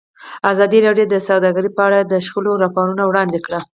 ازادي راډیو د سوداګري په اړه د شخړو راپورونه وړاندې کړي.